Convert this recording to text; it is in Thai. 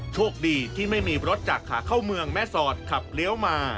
โชคดีที่ไม่มีรถจากขาเข้าเมืองแม่สอดขับเลี้ยวมา